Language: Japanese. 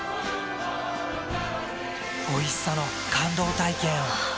おいしさの感動体験を。